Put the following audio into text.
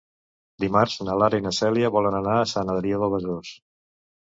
Dimarts na Lara i na Cèlia volen anar a Sant Adrià de Besòs.